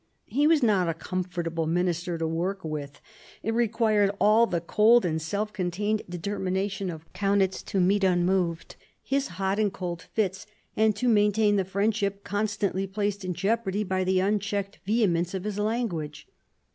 He was not a comfortable minister to work with. It required all the cold and self contained determination of Kaunitz to meet unmoved his hot and cold fits, and to maintain the friendship constantly placed in jeopardy by the unchecked vehemence of his language.